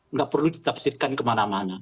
nggak perlu ditafsirkan kemana mana